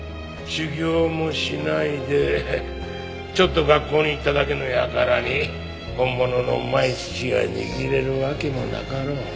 修業もしないでちょっと学校に行っただけの輩に本物のうまい寿司が握れるわけもなかろう。